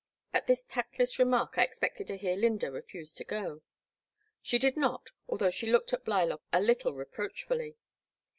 At this tactless remark I expected to hear Lyn da refiise to go. She did not, although she looked at Blylock a little reproachfully.